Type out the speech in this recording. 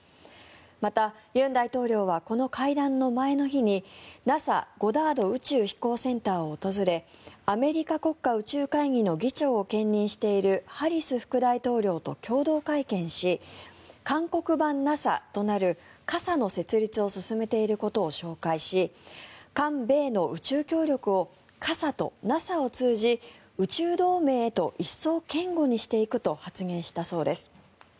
また、尹大統領はこの会談の前の日にＮＡＳＡゴダード宇宙飛行センターを訪れアメリカ国家宇宙会議の議長を兼任しているハリス副大統領と共同会見し韓国版ＮＡＳＡとなるＫＡＳＡの設立を進めていることを紹介し韓米の宇宙協力をＫＡＳＡとＮＡＳＡを通じ宇宙同盟へと一層堅固にしていくと発言したそうです。